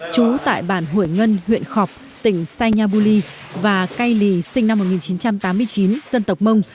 chú tại bản hủy ngân huyện khọc tỉnh sai nhà bù lì và cây lì sinh năm một nghìn chín trăm tám mươi chín dân tộc mông